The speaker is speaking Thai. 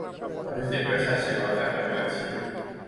อภิสิทธิ์ เวชชาชีวะ การเมืองเป็นอาชีพ